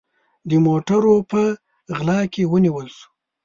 د موټروپه غلا کې ونیول سو